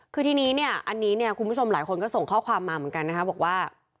คือทีนี้เนี่ยอันนี้เนี่ยคุณผู้ชมหลายคนก็ส่งข้อความมาเหมือนกันนะคะบอกว่า